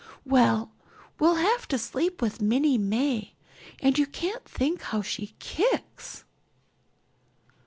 Well, we'll have to sleep with Minnie May and you can't think how she kicks."